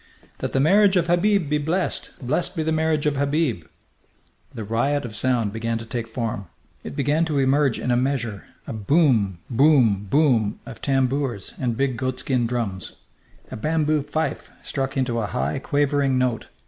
"That the marriage of Habib be blessed! Blessed be the marriage of Habib!" The riot of sound began to take form. It began to emerge in a measure, a boom boom boom of tambours and big goatskin drums. A bamboo fife struck into a high, quavering note.